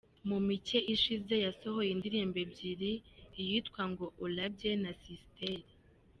Mu mike ishize yasohoye indirimbo ebyiri iyitwa ‘Ng’olabye’ na ‘Sisteri’.